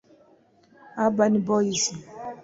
Urban boys